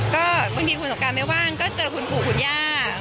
ก็บางทีคุณสงการไม่ว่างก็เจอคุณปู่คุณย่า